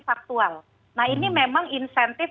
faktual nah ini memang insentif